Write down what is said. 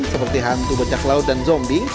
seperti hantu becak laut dan zombing